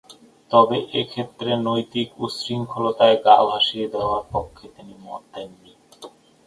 তবে এক্ষেত্রে নৈতিক উচ্ছৃঙ্খলতায় গা ভাসিয়ে দেওয়ার পক্ষে তিনি মত দেননি।